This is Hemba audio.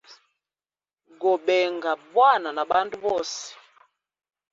Gobenga bwana na bandu bose.